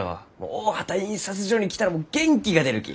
大畑印刷所に来たらもう元気が出るき！